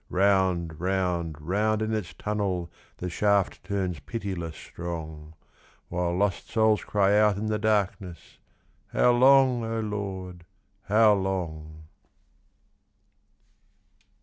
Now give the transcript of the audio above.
Round, round, round in its tunnel The shaft turns pitiless strong, While lost souls cry out in the darkness: "How long, O Lord, how long?"